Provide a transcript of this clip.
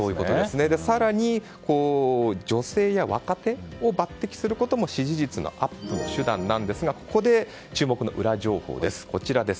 更に、女性や若手を抜擢することも支持率のアップの手段なんですがここで注目のウラ情報です。